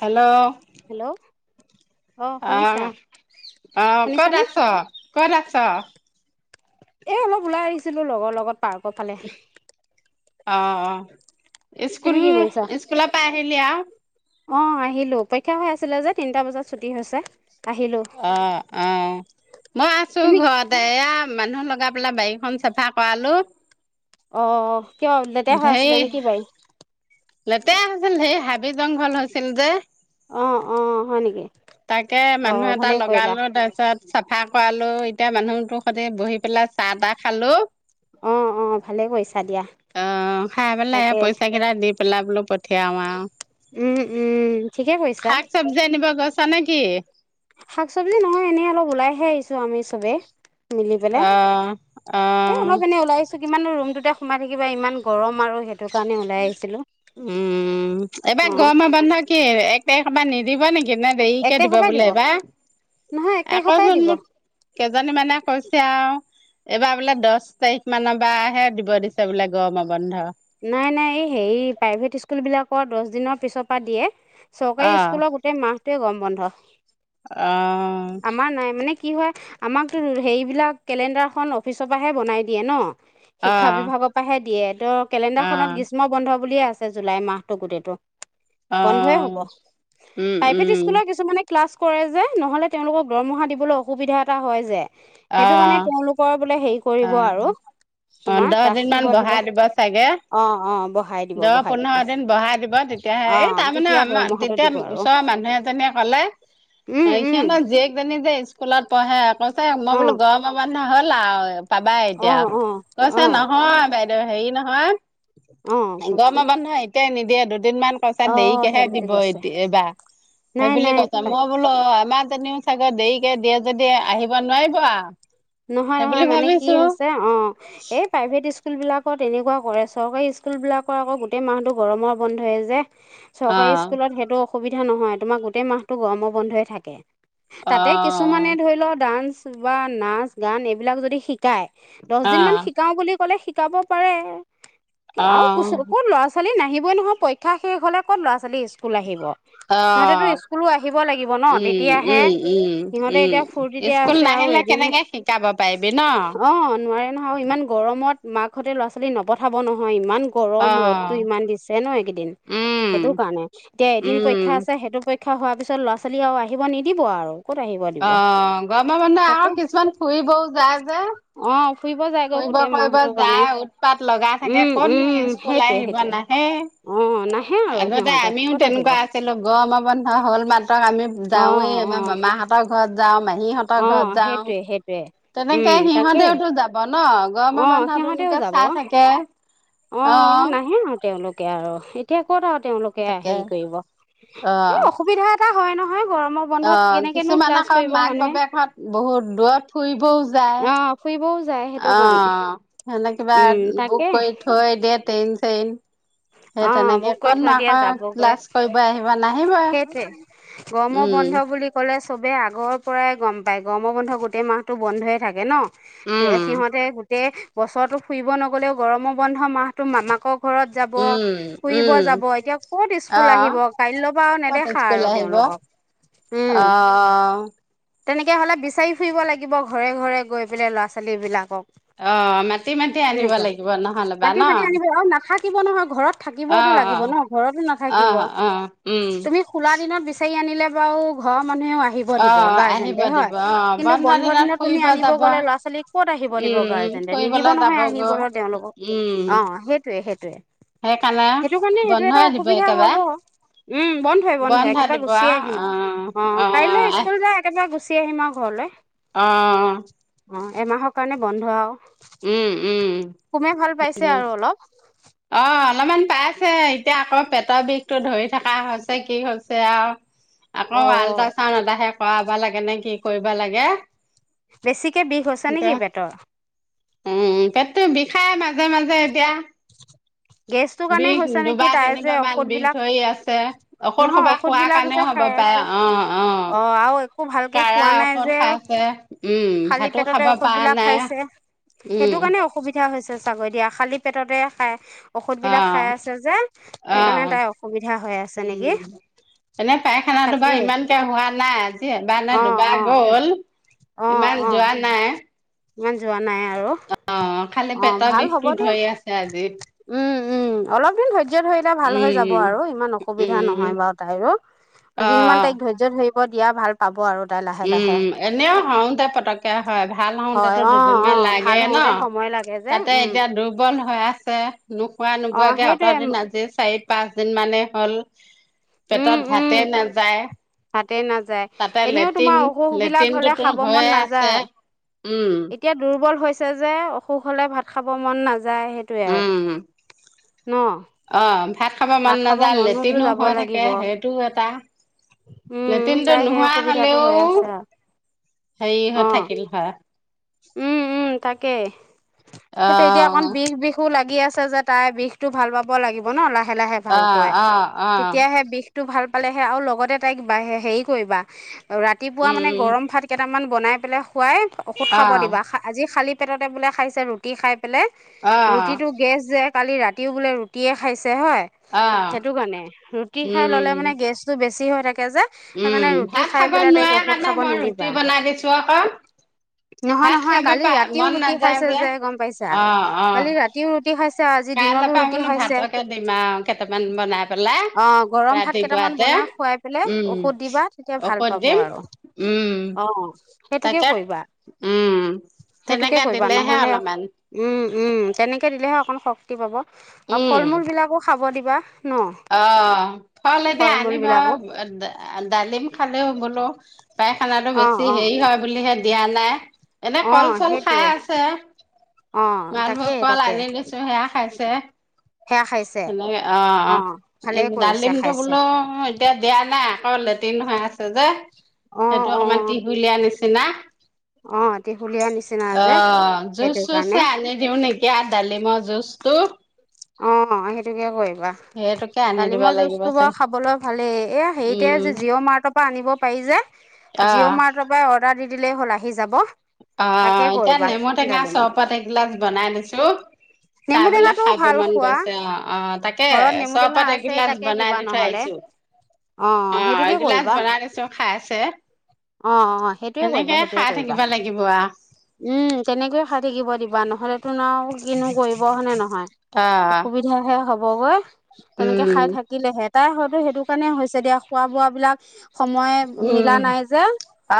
Hello. Hello. অ', অ', ক'ত শুনিছানে আছ? ক'ত আছ? এ অলপ ওলাই আহিছিলোঁ লগৰ লগত পাৰ্কৰ ফালে৷ অ', অ', তুমি ইস্কুল কি কৰিছা স্কুলৰ পৰা আহিলি আৰু? অ', আহিলোঁ৷ পৰীক্ষা হৈ আছিলে যে তিনটা বজাত ছুটি হৈছে, আহিলোঁ৷ অ', অ', মই আছোঁ তুমি ঘৰত৷ এয়া মানুহ লগাই পেলাই বাৰীখন চাফা কৰালোঁ৷ অ', কিয় লেতেৰা হৈ ধেই আছিলে নেকি বাৰী? লেতেৰা হৈছিল ঢেই হাবি জংঘল হৈছিল যে৷ অ অ হয় নেকি তাকে অ মানুহ এটা ভালে কৰিলা লগালোঁ তাৰপিছত চাফা কৰালোঁ, এতিয়া মানুহটো সৈতে বহি পেলাই চাহ তাহ খালোঁ৷ অ অ ভালে কৰিছা দিয়া অ', খাই পেলাই এই তাকে পইচা কেইটা দি পেলাই বোলো পঠিয়াওঁ আৰু৷ উম, উম, ঠিকে কৰিছা৷ চব্জি আনিব গৈছা নে কি? শাক-চব্জি নহয় এনেই অলপ ওলাইহে আহিছোঁ আমি চবে৷ মিলি পেলাই, অ', এ অ', অলপ এনে ওলাই আহিছোঁ৷ কিমাননো ৰুমটোতে সোমাই থাকিবা ইমান গৰম আৰু সেই উম, অ এইবাৰ গৰম বন্ধ কি এক তাৰিখৰ পৰা নিদিব নেকি? নে এক দেৰিকে দিব তাৰিখৰ পৰাই বোলে এইবাৰ, নহয় এক তাৰিখৰ পৰাই আকৌচোন দিব মোক কেইজনী মানে কৈছে আৰু এইবাৰ বোলে দচ তাৰিখ মানৰ পৰা হে দিব দিছে বোলে গৰমৰ বন্ধ। নাই নাই এই হেৰি প্ৰাইভেট স্কুল বিলাকৰ দহ দিনৰ পিছৰ পৰা দিয়ে, চৰকাৰী অ', স্কুলৰ গোটেই মাহটোৱে গৰম বন্ধ, অ', আমাৰ নাই মানে কি হয় আমাকতো হেইবিলাক কেলেণ্ডাৰখন অফিচৰ পৰাহে বনাই দিয়ে ন। শিক্ষা অ', বিভাগৰ পৰাহে দিয়ে ত' অ', কেলেণ্ডাৰখনত গ্ৰীষ্ম বন্ধ বুলিয়ে আছে জুলাই মাহটো গোটেইটো। বন্ধয়ে হব অ', উম, প্ৰাইভেট উম, স্কুলৰ কিছুমানে ক্লাছ কৰে যে নহ'লে তেওঁলোকক দৰমহা দিবলৈ অসুবিধা এটা হয় যে? সেইটো কাৰণে অ', তেওঁলোকৰ বোলে হেৰি কৰিব অ', আৰু অ, তোমাৰ দহ দিন মান ৰাখিব ধৰি বহাই লওক দিব চাগে? অ অ বঢ়াই দিব দহ বঢ়াই দিব পোন্ধৰ দিন বঢাই দিব তেতিয়াহে অ এই তাৰমানে তেতিয়া আমাৰ দৰমহাটো তেতিয়া দিব আৰু ওচৰৰ মানুহে তেনেকলে উম উম সিহঁতৰ জীয়েকজনি যে স্কুলত পঢ়ে কৈছে মই অ বোলো গৰমৰ বন্ধ হ'ল আৰু পাবাই অ এতিয়া। অ অ কৈছে নহয় বাইদেউ হেৰি অ নহয় কওকচোন গৰমৰ বন্ধ এতিয়াই নিদিয়ে দুদিন মান অ [unintelligible] দেখিয়ে সেইটো বুলি দিব কৈছে এ এইবাৰ, নাই সেইবুলি নাই কৈছে মই বোলো অ, আমাৰজনীও চাগে দেৰিকে যদি আহিব নোৱাৰিব আৰু। নহয় সেই বুলি নহয় মানে কি ভাবিছো হৈছে অ, এ প্ৰাইভেট ইস্কুল বিলাকৰ এনেকুৱা কৰে চৰকাৰী স্কুল বিলাকৰ আকৌ গোটেই মাহতো গৰমৰ বন্ধয়ে যে? অ চৰকাৰী স্কুলত সেইটো অসুবিধা নহয় তোমাৰ গোটেই মাহটো গৰমৰ বন্ধই থাকে অ তাতে কিছুমানে ধৰি লোৱা ডান্স বা নাচ গান এইবিলাক যদি শিক শিকাই দছ অ দিন মান শিকাও বুলি কলে শিকাব পাৰে অ আৰু কিছু কত ল'ৰা ল'ৰা ছোৱালী নাহিবই নহয় পৰীক্ষা শেষ হ'লে কত লৰা ছোৱালী স্কুল আহিব। অ সিহঁতেতো স্কুলো আহিব লাগিব ন উম তেতিয়াহে -উম -উম- সিহঁতে উম এতিয়া ফূৰ্তিতে স্কুল আছে আৰু নাহিলে এদিন কেনেকে শিকাব পাৰিবি ন। অ নোৱাৰে নহয় আৰু ইমান গৰমত মাকহঁতে ল'ৰা ছোৱালী নপঠাব নহয় ইমান গৰম অ ৰ'দটো ইমান দিছে ন এইকেইদিন সেইটো উম কাৰণে এতিয়া এদিন পৰীক্ষা উম আছে সেইটো পৰীক্ পৰীক্ষা হোৱাৰ পিছত ল'ৰা ছোৱালী আৰু আহিব নিদিব আৰু ক'ত আহিব দিব অ গৰমৰ বন্ধ তাকে আহক কিছুমান ফুৰিবও যায় যে? অ ফুৰিব যায় গৈ ফুৰিব গোটেই কৰিব মাহটোৰ কাৰণে যায় উৎপাত লগাই থাকে উম ক'তনো উম স্কুল সেইটোৱে আহিব সেইটোৱে। নাহে অ নাহে আৰু আগতে সিহঁতে আমিও ক'ত তেনেকুৱা আহিব গৰমৰ বন্ধ হ'ল মাত্ৰক আমি অ যাওঁৱেই আমাৰ অ মামাহঁত হতৰ ঘৰত যাওঁ মাহীহঁতৰ অ', ঘৰত যাওঁ। সেইটোৱে সেইটোৱে- তেনেকে উম, তাকেই সিহঁতেও টো যাব ন গৰমৰ অ', সিহঁতেও বন্ধটোলেকে যাব চাই থাকে অ নাহে আৰু তেওঁলোকে আৰু এতিয়া কত আৰু তেওঁলোকে এয়া তাকে সেই কৰিব অ এই অসুবিধা অসুবিধা হয় নহয় গৰমত অ কিছুমান আকৌ মাক বাপেক হত বহুত দূৰত ফুৰিবও যায়। অ', ফুৰিবও যাই অ সিহঁতে কিবা তাকে বুক কৰি থৈ দিয়ে ট্ৰেইন চেইন সেই অ', তেনেকে বুক কৰি কতনু থৈ দিয়া আকৌ যাবগৈ ক্লাছ কৰিব আহিব নাহিবই সেইটোৱে গৰমৰ উম বন্ধ বুলি কলে চবে আগৰ পৰাই গম পায় গৰম বন্ধ গোটেই মাহটো বন্ধইে থাকে ন উম তে সিহঁতে গো- টে বছৰটো ফুৰিব নগলেও গৰমৰ বন্ধ মাহটো মামাকৰ ঘৰত যাব। উম ফুৰিব উম যাব এতিয়া কত স্কুল আহ আহিব কাইলৈৰ পৰা নেদেখা আৰু তেওঁলোকক অ অ উম তেনেকে হলে বিচাৰি ফুৰিব লাগিব ঘৰে ঘৰে গৈ পেলাই ল'ৰা ছোৱালী বিলাকক অ মাতি মাতি আনিব সেনেকুৱা লাগিব নহ'লেবা মাতি ন মাতি আনিব আৰু নাথাকিব নহয় ঘৰত থাকিবও অ তো অ লাগিব ন, ঘৰতো অ নাথাকিব, অ উম তুমি খোলা দিনত বিচাৰি আনিলে বাৰু ঘৰ মানুহেও আহ নিব অ দিব আহিব গাৰ্জেণ্টে হয়, দিব অ কিন্তু বন্ধ দিনত তুমি ফুৰিব আনিব যাব গ'লে ল'ৰা, ছালী ক'ত নিব দিব উম উম গাৰ্জেণ্টে, নিদিব ফুৰিবলৈ নহয় আহিব যাবগৈ তেওঁলোকক, উম অ', সেইটোয়ে সেইটোয়ে। সেইকাৰণে সেইটো কাৰণে, সেইটো এটা বন্ধই দিব অসুবিধা একেবাৰে হ'ব। উম বন্ধই বন্ধই বন্ধ একেবা দিব গুচি আহিম আৰু অ', অ' কাইলৈ স্কুল যায় একেবাৰে গুচি আহিম আৰু ঘৰলৈ। অ' অ ' এমাহৰ কাৰণে বন্ধ আউ উম উম আৰু অলপ অ' অলমান পাইছে এতিয়া আকৌ পেটৰ বিষটো ধৰি থকা হৈছে কি হৈছে আউ [inaudible] আকৌ আল্ট্ৰা ছাউণ্ড এটাহে কৰাব লাগে নে কি কৰিব লাগে। বেছিকে বিষ হৈছে নেকি এতিয়া পেটৰ। উম উম পেটটো বিষাই মাজে মাজে এতিয়া। গেছটোৰ কাৰণে বিষ হৈছে নেকি দুবাৰ তাই যে তিনিবাৰ মান বিষ ঔষধবিলাক, ধৰি আছে ঔষধ নহয় সোপা খোৱাৰ ঔষধবিলাক কাৰণেও যে হ'ব খাই পাৰে আছে, অ', অ' আৰু একো ভালকে কাৰা খোৱা নাই ঔষধ যে। খাইছে উম, খালি ভাতো পেটতে খাব পৰা ঔষধবিলাক নাই খাইছে, সেইটো উম, কাৰণে অসুবিধা হৈছে চাগৈ দিয়া খালী পেটতে খাই ঔষধবিলাক খাই অ', আছে যে সেইকাৰণে অ', তাই অসুবিধা হৈ আছে নেকি? উম, এনে পায়খানাটো বাৰু তাকেই ইমানকে হোৱা নাই, আজি এবাৰ নে অ দুবাৰ অ গ'ল। অ ইমান অ যোৱা নাই। ইমান যোৱা নাই আৰু, অ' খালি অ' পেটৰ ভাল হ'ব বিষটো দিয়া। ধৰি আছে আজি। উম উম অলপ দিন ধ এতিয়া ধৰিলে ভাল হৈ যাব উম, আৰু ইমান অসুবিধা উম, নহয় বাৰু তাইৰো, দুদিনমান অ'। তাইক ধ ৰ্য্য ধৰিব দিয়া ভাল পাব আৰু তাই লাহে উম, লাহে। এনেও হওতে পতককে হয়, ভাল হওঁতেত হয় অ অ দুদিনমান ভাল লাগে ন। হওঁতে সময় লাগে যে তাতে উম এতিয়া দুৰ্বল হৈ আছে, নোখোৱা অ নোবোৱাকে অত সেইটোৱে দিন আজি চাৰি পাঁচ দিন মানে হ'ল, পেটত ভাতে নাযায়। তাতে নাযায়। তাতে এনেও তোমাৰ লেট্ৰিন, অসুখ বিলাক হলে লেট্ৰিনটোতো খাব মন হৈয়ে নাযায় আছে, উম। এতিয়া দুৰ্বল হৈছে যে, অসুখ হ'লে ভাত খাব ম'ন নাযায়। টোৱে আৰু, উম। ন? অ', ভাত খাব ম'ন নাযায়, মনোতো লেট্ৰিনো যাব হৈ লাগিব থাকে সেইটো এটা। উম লেট্ৰিনটো তাই সেই নোহোৱা অসুবিধাটো হলেও, হৈ আছে আৰু হেৰি অ হৈ থাকিল হয়। উম উম তাকেই, সেইটো এতিয়া অকণ অ', বিষ বিষ [unintelligible] লাগি আছে যে তাই বিষটো ভাল পাব লাগিব ন লাহে লাহে অ', ভালকৈ, অ', অ', তেতিয়াহে বিষ টো ভাল পালেহে আৰু লগতে তাই বা হেৰি কৰিবা ৰাতিপুৱা মানে উম, গৰম ভাত কেইটামান বনাই পেলাই খুৱাই ঔষদ খা অ', আজি খালি পেটতে বোলে খাইছে ৰুটি খাই পেলাই, অ', ৰুটিটো গেছ যে কালি ৰাতিও বোলে ৰুটিয়ে খাইছে, হয়? অ', সেইটো কাৰণে, ৰুটি খাই ল'লে মানে উম। গেছটো বেছি হৈ থাকে যে। উম, সেইকাৰণে ৰুটি ভাত খাই খাব পেলাই তাইক নোৱাৰা ঔষধ কাৰণে খাব মই নিদিবা। [unintelligible] নহয় ভাত নহয় খাব কালি পা ৰাতিও মন ৰুটি নাযায় খাইছে যে গ'ম পাইছা, অ', অ', কালি ৰাতিও ৰুটি খাইছে, আজি কাইলৈ দিনতো পৰা ৰুটি বোলো খাইছে। ভাতকে দিম আৰু কেইটামান বনাই পেলাই। অ' গৰম ভাত কেইটামান ৰাতিপুৱাতে, বনাই খোৱাই পেলাই উম, ঔষধ দিবা তেতিয়া ভাল ঔষধ পাব দিম, আৰু, উম। অ'। সেইটোকে তাকে, কৰিবা উম, সেইটোকে তেনেকে কৰিবা অতিলেহে নহ'লে অলপমান উম উম তেনেকে দিলেহে অকণ শক্তি পাব, আৰু ফল মূল বিলাকো খাব দিবা। ন অ ফল এতিয়া মূল আনিব বিলাকো [unintelligible] ডালিম খালেও বোলো পায়খানাটো অ বেছি অ হেৰি হয় বুলিহে দিয়া নাই। এনে অ কল চল খাই সেইটোৱে আছে, অ মালভোগ তাকে কল তাকে আনি দি ছো সেয়া খাইছে, সেয়া খাইছে সেনেকে অ অ। ভালেই কৰিছে ডালিমটো খাইছে বোলো এতিয়া দিয়া নাই আকৌ লেট্ৰিন হৈ আছে যে। অ সেইটো অ অকণমান টিহুলিয়া নিচিনা। অ ত্ৰিশুলীয়া নিচিনা অ যে জোচ সেইটো চোচ কাৰণে হে আনি দিও নেক এতিয়া ডালিমৰ জুচটো অ ন সেইটোকে কৰিবা। সেইটোকে আনি দিব ডালিমৰ লাগিব জুচটো চাগে বাৰু খাবলৈ ভালেই এয়া হেৰিতে যে উম, জিঅ' মাৰ্টৰ পৰা আনিব পাৰি যে। জিঅ' আহ মাৰ্টৰ পৰা অৰ্ডাৰ দি দিলেই হ'ল আহি যাব। অ তাকে এতিয়া কৰিবা নেমু টেঙা ডালিমৰ চৰবত এগিলাচ বনাই দিছো। তাই নেমু বোলে টেঙাটোও খাব ভাল মন খোৱা গৈছে অ অ তাকে ঘৰত নেমু টেঙা চৰপত আছে এগিলাচ তাকে বনাই দিবা দি থৈ নহ'লে আহিছো। অ সেইটোকে এগিলাচ কৰিবা বনাই দিছো খাইছে। অ অ সেইটোয়ে কৰিবা সেনেকে সেইটোয়ে খাই কৰিবা থাকিবা লাগিব অ। উম তেনেকৈয়ে খাই থাকিব দিবা নহলেতোন আও কিনো কৰিব হয় নে নহয়? অ', অসুবি যি হৈ হ'বগৈ তেনেকে উম, খাই থাকিলেহে। তাইৰ হয়তো সেইটো কাৰণে হৈছে দিয়া খোৱা বোৱাবিলাক সময় উম, মিলা নাই যে,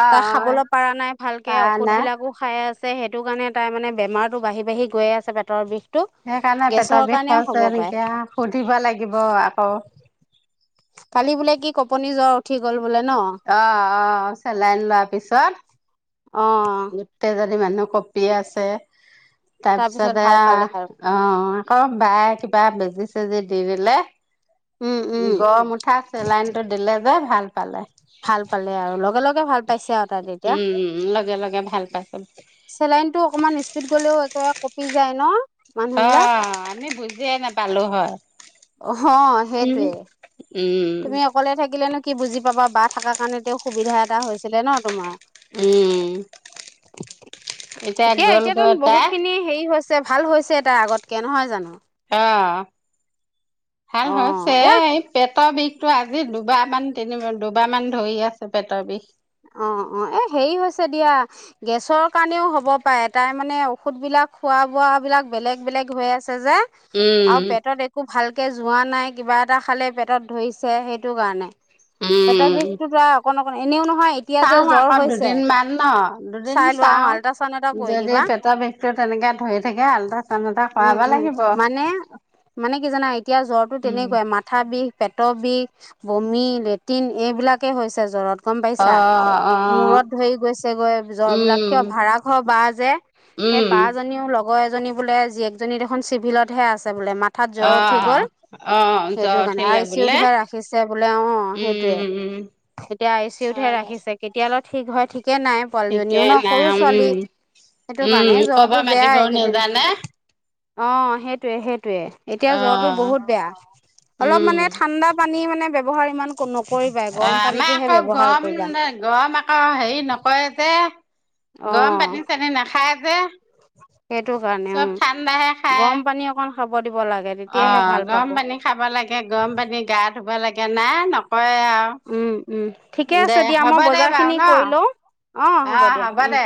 অ', তাই অ', খাবলৈ পৰা নাই ভালকে পাৰা ঔষধ নাই। বিলাকো। খাই আছে সেইটো কাৰণে তাইৰ মানে বেমাৰটো বাঢ়ি বাঢ়ি গৈ আছে পেটৰ বিষ সেইকাৰণে পেটৰ বিষ হৈছে নেকি য়া সুধিব লাগিব আকৌ। কালি বোলে কি কঁপনি জ্বৰ উঠি গল বোলে ন? অ অ চেলাইন লোৱাৰ পিছত অ। গোটেইজনী মানুহ কপি আছে তাৰপিছত তাৰপিছতে ভাল আ পালে আৰু অঁ আকৌ বায়ে কিবা বেজি চেজি দি দিলে উম উম গৰম উঠা চেলাইন টো দিলে যে ভাল পালে। ভাল পালে আৰু লগা লগ উম উম লাগে লাগে ভাল পাইছে। চেলাইনটো অকনমান স্পীড গলেও একেবাৰে কঁপি যায় ন। মানুহ অ বিলাক আমি বুজিয়ে নাপালো হয়। হ উম সেইটোৱে। তুমি অকলে থাকিলেনো কি বুজি পাবা বা থাকাৰ কাৰণে তেওঁ সুবিধা এটা হৈছিলে ন তোমাৰ। উম এতিয়া গ'লগৈ এতিয়াতোন তাই বহুতখিনি হেৰি হৈছে ভাল হৈছে তাই আগতকে নহয় জানো? অ ভাল অ হৈছে এয়া এ পেটৰ বিষটো আজি দুবাৰমান তিনি বাৰ দুবাৰমান ধৰি আছে পেটৰ বিষ। অ অ এই হেৰি হৈছে দিয়া গেছৰ কাৰণেও হ'ব পাৰে তাই মানে ঔষধবিলাক খোৱা বোৱাবিলাক বেলেগ বেলেগ হৈ আছে যে। আৰু উম পেটত একো ভালকে যোৱা নাই কিবা এটা খালে পেটত ধৰিছে সেইটো কাৰণে। পেটৰ বিষটোটো আ অকন অকন এনেও নহয় এতিয়া যে চাও জ্বৰ আকৌ হৈছে দুদিনমান ন? দুদিন চাই লোৱা অঁ চাও আল্ট্ৰাচাউণ্ড এটা কৰি যদি দিবা পেটৰ বিষ টো তেনেকে ধৰি থাকে আল্ট্ৰাচাউণ্ড এটা উম কৰাব উম লাগিব। মানে মানে কি জানা এতিয়া জ্বৰতো তেনেকুৱাই মাথা বিষ পেটৰ বিষ, বমি, লেট্ৰিন এইবিলাকেই হৈছে জ্বৰত গম অ পাইছা? অ মূৰত ধৰি গৈছেগৈ জ্বৰবিলাক, উম কিয় ভাড়াঘৰৰ বা যে সেই উম বাজনীও লগ অ' এজনী বোলে জীয়েকজনী দেখোন চিভিলতহে আছে বোলে মাত ঠাৎ অ জ্বৰ উঠি গ'ল অ জ্বৰ সেইটো কাৰণে, উঠিলে আই চি ইউ বোলে তহে ৰাখিছে বোলে অ' সেইটোৱে। উম উম এতিয়া আই চি ইউতহে হয় দে ৰাখিছে কেতিয়ালৈ ঠিক হয় ঠিকে নাই ঠিকে পোৱালীজনীও ন, নাই সৰু ছোৱালী। উম সেইটো উম কাৰণে, কব জ্বৰটো বেয়াই মাতিবও এইকেইদিন নেজানে অ' সেইটোৱে সেইটোৱে। এতিয়া অ জ্বৰটো বহুত বেয়া অলপ উম মানে ঠাণ্ডা পানী মানে ব্যৱহাৰ ইমান নকৰিবাই অ' গৰম আমাৰ পানীটোহে আকৌ ব্যৱহাৰ গৰম কৰিবা ন গৰম আকৌ হেৰি নকৰে যে, অ গৰম পানী চানী নাখায় যে। সেইটো কাৰণে উ, চব ঠাণ্ডাহে খায় গৰম পানী অকন খাব দিব লাগে। তেতিয়াহে অ' ভাল পাব গৰম পানী খাব লাগে গৰম পানী গা ধুব লাগে, নাই নকৰে আউ উম উম ঠিকে আছে দে দিয়া হ'ব মই দে বজাৰ বাউ খিনি ন কৰি লওঁ অ হ'ব দে।